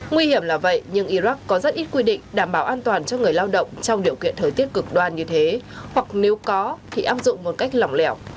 nguy hiểm là vậy nhưng iraq có rất ít quy định đảm bảo an toàn cho người lao động trong điều kiện thời tiết cực đoan như thế hoặc nếu có thì áp dụng một cách lỏng lẻo